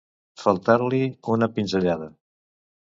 Faltar-li una pinzellada.